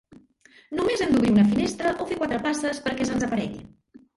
Només hem d'obrir una finestra o fer quatre passes perquè se'ns aparegui.